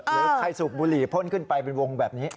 หรือใครสูบบุหรี่พ่นขึ้นไปเป็นวงแบบนี้